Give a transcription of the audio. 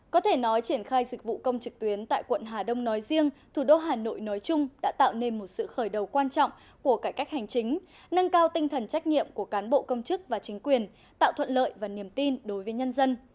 có thể nói triển khai dịch vụ công trực tuyến tại quận hà đông nói riêng thủ đô hà nội nói chung đã tạo nên một sự khởi đầu quan trọng của cải cách hành chính nâng cao tinh thần trách nhiệm của cán bộ công chức và chính quyền tạo thuận lợi và niềm tin đối với nhân dân